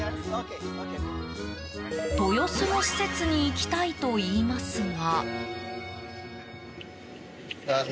豊洲の施設に行きたいといいますが。